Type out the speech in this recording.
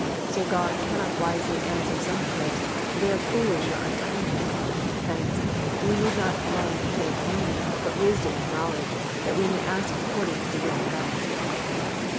So God cannot wisely answer some prayers, for they are foolish or untimely. Hence, we need not love and faith only, but wisdom and knowledge, that we may ask according to the will of God.